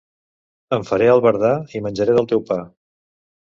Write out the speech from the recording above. Em faré albardà i menjaré del teu pa.